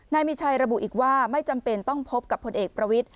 นายมีชัยระบุอีกว่าไม่จำเป็นต้องพบกับพลเอกประวิทธิ